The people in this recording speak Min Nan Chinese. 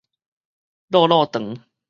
躼躼長